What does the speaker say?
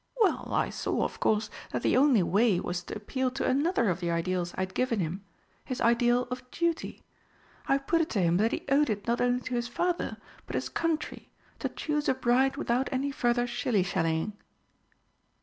Well, I saw, of course, that the only way was to appeal to another of the ideals I had given him his ideal of Duty. I put it to him that he owed it not only to his father, but his country, to choose a bride without any further shilly shallying."